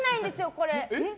これ。